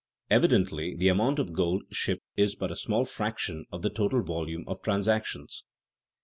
Evidently the amount of gold shipped is but a small fraction of the total volume of transactions.